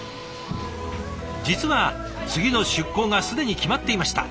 実は次の出港が既に決まっていました。